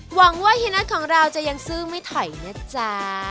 หวังว่าเฮียนัทของเราจะยังสู้ไม่ถอยนะจ๊ะ